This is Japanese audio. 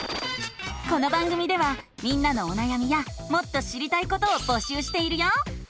この番組ではみんなのおなやみやもっと知りたいことをぼしゅうしているよ！